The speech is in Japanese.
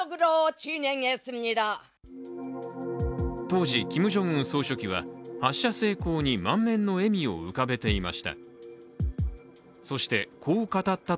当時、キム・ジョンウン総書記は発射成功に満面の笑みを浮かべていました。